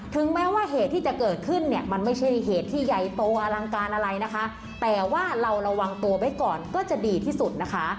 แม้ว่าเหตุที่จะเกิดขึ้นเนี่ยมันไม่ใช่เหตุที่ใหญ่โตอลังการอะไรนะคะแต่ว่าเราระวังตัวไว้ก่อนก็จะดีที่สุดนะคะ